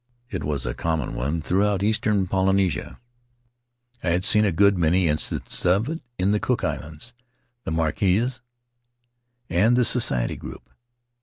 It was a common one throughout eastern Polynesia. I had seen a good many instances of it in the Cook islands, the Mar quesas, and the Society group.